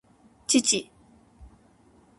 父